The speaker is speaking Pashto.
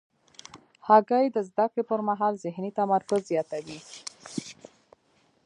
هګۍ د زده کړې پر مهال ذهني تمرکز زیاتوي.